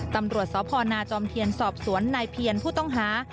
ตำรวจสพนาจอมเทียนสอบสวนนายเพียรผู้ต้องหา